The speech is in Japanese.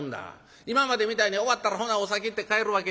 今までみたいに終わったら『ほなお先』って帰るわけにいかん。